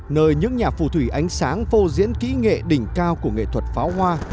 nơi những nhà phù thủy ánh sáng phô diễn kỹ nghệ đỉnh cao của nghệ thuật pháo hoa